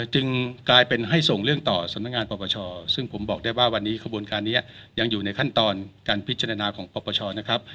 จึงกลายเป็นให้ส่งเรื่องต่อสำนักงานปปชซึ่งผมบอกได้ว่าวันนี้ขบวนการนี้ยังอยู่ในขั้นตอนการพิจารณาของปปชนะครับ